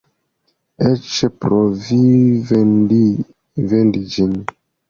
Eĉ provi vendi ĝin.